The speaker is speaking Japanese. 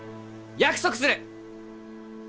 約束する！